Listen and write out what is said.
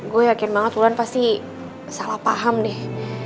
gue yakin banget duluan pasti salah paham deh